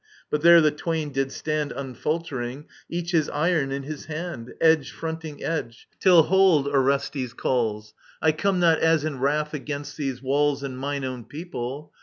But there the twain did stand Unfaltering, each his iron in his hand, Edge fronting edge. Till « Hold,'' Orestes calls :^^ I come not as in wrath against these walls And mine own people.